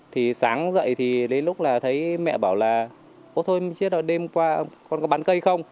thì sáng dậy thì đến lúc là thấy mẹ bảo là ố thôi chết rồi đêm qua con có bắn cây không